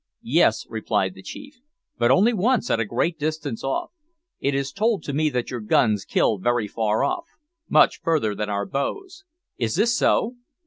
"Yes," replied the chief, "but only once at a great distance off. It is told to me that your guns kill very far off much further than our bows. Is that so?"